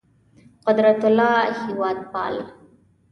قدرت الله هېوادپال